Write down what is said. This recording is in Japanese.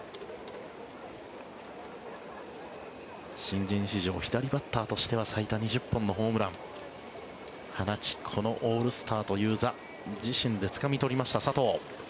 新人史上左バッターとしては最多２０本のホームランを放ちこのオールスターという座を自身でつかみ取りました佐藤。